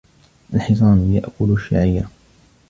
الْحِصَانُ يَأْكُلُ الشَّعِيرَ.